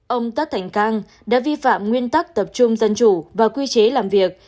ông tát thành cang đã vi phạm nguyên tắc tập trung dân chủ và quy chế làm việc